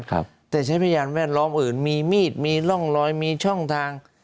แต่ใช้พยานแวดล้อมอื่นมีมีดมีร่องรอยมีช่องทาง